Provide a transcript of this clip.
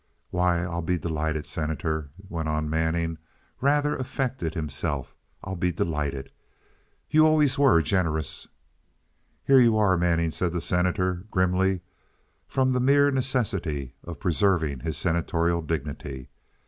"Why, I'll be delighted, Senator," went on Mr. Manning, rather affected himself. "I'll be delighted. You always were generous." "Here you are, Manning," said the Senator, grimly, from the mere necessity of preserving his senatorial dignity.